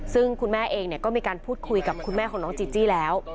ซึ่งคุณแม่เองก็มีการพูดคุยกับคุณแม่ของน้องจีจี้แล้ว